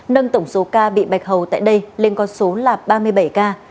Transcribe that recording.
nâng tổng số ca bị bạch hầu tại đây lên con số là ba mươi bảy ca